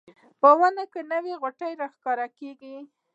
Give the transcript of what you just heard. په ونو کې نوې غوټۍ راښکاره کیږي